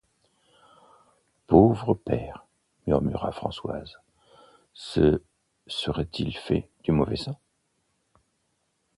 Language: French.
Pauvre père, murmura Françoise, se serait-il fait du mauvais sang!...